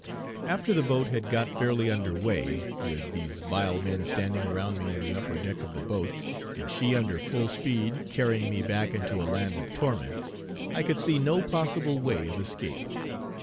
After the boat had got fairly under way, with these vile men standing around me on the upper deck of the boat, and she under full speed carrying me back into a land of torment, I could see no possible way of escape.